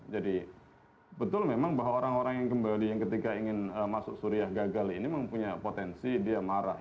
jadi betul memang bahwa orang orang yang kembali yang ketika ingin masuk suriah gagal ini mempunyai potensi dia marah